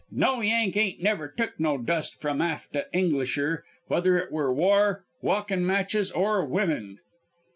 No Yank ain't never took no dust from aft a Englisher, whether it were war, walkin' matches, or women.'